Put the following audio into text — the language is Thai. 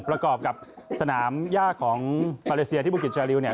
ประกอบกับสนามยากของมาเลเซียที่บุกิจชาริวเนี่ย